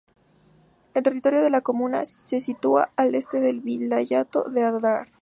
El territorio de la comuna se sitúa al este del vilayato de Adrar.